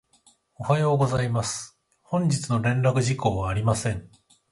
おはようございます。本日の連絡事項はありません。